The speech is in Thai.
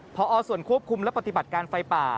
พอส่วนควบคุมและปฏิบัติการไฟป่า